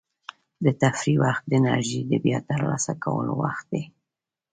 د تفریح وخت د انرژۍ د بیا ترلاسه کولو وخت دی.